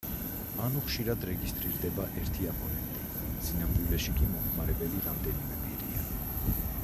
ანუ ხშირად რეგისტრირდება ერთი აბონენტი, სინამდვილეში კი მომხმარებელი რამდენიმე პირია.